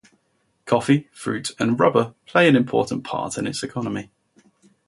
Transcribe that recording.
Coffee, fruit, and rubber play an important part in its economy.